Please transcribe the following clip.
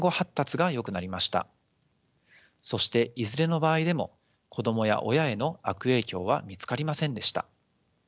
そしていずれの場合でも子どもや親への悪影響は見つかりませんでした。